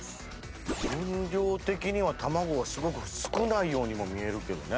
分量的には卵がすごく少ないようにも見えるけどね。